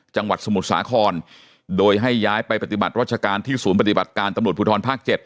สมุทรสาครโดยให้ย้ายไปปฏิบัติรัชการที่ศูนย์ปฏิบัติการตำรวจภูทรภาค๗